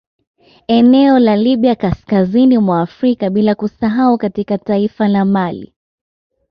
Eneo la Libya kaskazini mwa Afrika bila kusahau katika taifa la mali